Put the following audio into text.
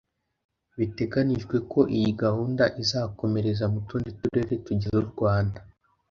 Biteganijwe ko iyi gahunda izakomereza mu tundi turere tugize u Rwanda